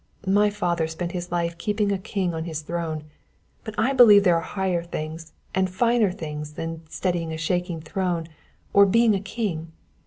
My father spent his life keeping a king upon his throne; but I believe there are higher things and finer things than steadying a shaking throne or being a king.